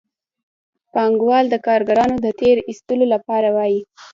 پانګوال د کارګرانو د تېر ایستلو لپاره وايي